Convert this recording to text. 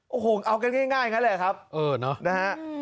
โอ้โหเอากันง่ายอย่างนั้นแหละครับนะฮะ